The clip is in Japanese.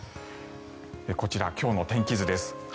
こちら今日の天気図です。